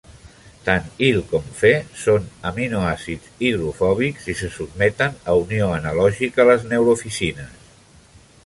Tant Ile com Phe són aminoàcids hidrofòbics i se sotmeten a unió analògica a les neurofisines.